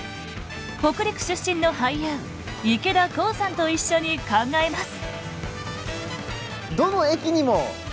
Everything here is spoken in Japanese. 北陸出身の俳優池田航さんと一緒に考えます！